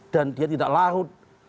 dan dia tidak larut